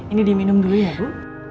ini diminum dulu ya bu